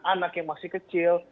anak yang masih kecil